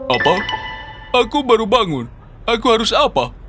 apa aku baru bangun aku harus apa